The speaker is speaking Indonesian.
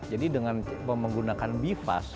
jadi dengan menggunakan bivas